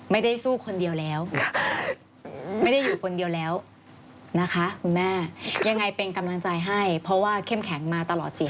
ไม่ได้สู้คนเดียวแล้วไม่ได้อยู่คนเดียวแล้วนะคะคุณแม่ยังไงเป็นกำลังใจให้เพราะว่าเข้มแข็งมาตลอดเสียง